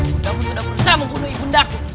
ibundamu sudah berusaha membunuh ibundaku